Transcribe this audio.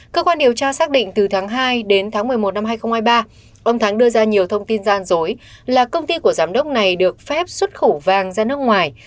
cơ quan điều tra xác định từ tháng hai đến tháng một mươi một năm hai nghìn hai mươi ba ông thắng đưa ra nhiều thông tin gian dối là công ty của giám đốc này được phép xuất khẩu vàng ra nước ngoài